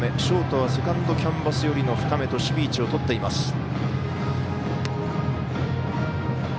ショートはセカンドキャンバス寄りの深めと守備位置をとっています。